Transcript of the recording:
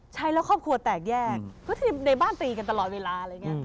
ใช้แล้วครอบครัวแตกแยกก็คือในบ้านตีกันตลอดเวลาอะไรอย่างนี้